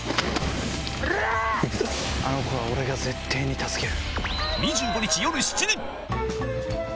あの子は俺が絶対に助ける。